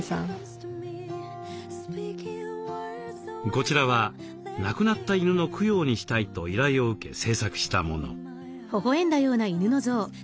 こちらは亡くなった犬の供養にしたいと依頼を受け制作したもの。